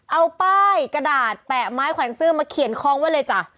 เอาป้ายกระดาษแปะไม้แขวนเสื้อมาเขียนคล้องไว้เลยจ้ะ